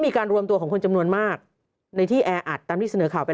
มีการรวมตัวของคนจำนวนมากในที่แออัดตามที่เสนอข่าวไป